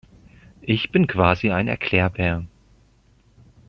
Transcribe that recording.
Ich bin quasi ein Erklärbär.